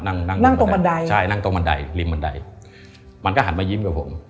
นั่งนั่งตรงบันไดใช่นั่งตรงบันไดริมบันไดมันก็หันมายิ้มกับผม